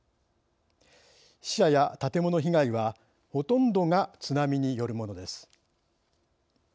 死者や建物被害はほとんどが津波によるものです。